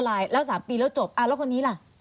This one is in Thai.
ลายแล้ว๓ปีแล้วจบแล้วคนนี้ล่ะ